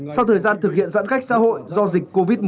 sau thời gian thực hiện giãn cách xã hội do dịch covid một mươi chín